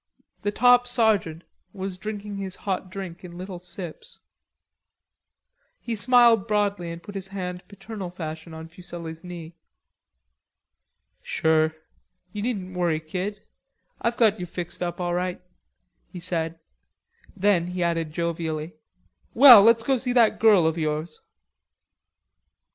The top sergeant was drinking his hot drink in little sips. He smiled broadly and put his hand paternal fashion on Fuselli's knee. "Sure; you needn't worry, kid. I've got you fixed up all right," he said; then he added jovially, "Well, let's go see that girl of yours."